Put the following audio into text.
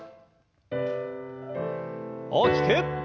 大きく。